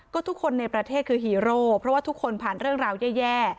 ก็ทุกคนในประเทศคือฮีโร่เพราะว่าทุกคนผ่านเรื่องราวแย่